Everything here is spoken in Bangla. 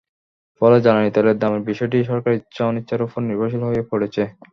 ফলে জ্বালানি তেলের দামের বিষয়টি সরকারের ইচ্ছা-অনিচ্ছার ওপর নির্ভরশীল হয়ে পড়েছে।